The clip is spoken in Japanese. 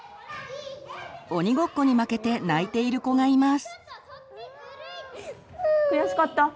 鬼ごっこに負けて泣いている子がいます。